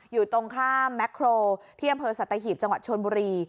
อยู่ตรงข้ามแม็กโครเที่ยงบริษัทสัตหีพจังหวัดชนบุรี